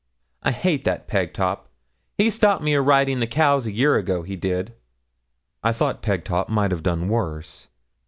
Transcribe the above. I hate that Pegtop: he stopped me o' riding the cows a year ago, he did.' I thought Pegtop might have done worse.